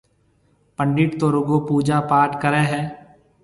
پنڊِيت تو رُگو پوجا پاٽ ڪريَ هيَ۔